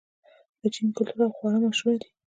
د چین کلتور او خواړه مشهور دي.